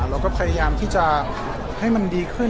เราก็พยายามที่จะให้มันดีขึ้น